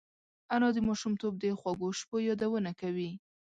انا د ماشومتوب د خوږو شپو یادونه کوي